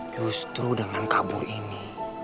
justru dengan kabur ini